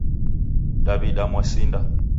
Daw'ida mwasinda